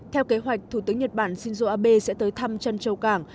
theo kế hoạch thủ tướng nhật bản shinzo abe sẽ tới thăm trân châu cảng